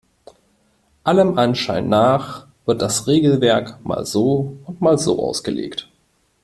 Allem Anschein nach wird das Regelwerk mal so und mal so ausgelegt.